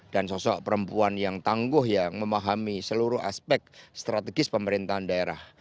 dan sosok perempuan yang tangguh ya memahami seluruh aspek strategis pemerintahan daerah